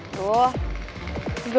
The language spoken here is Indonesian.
aduh gue pusing ya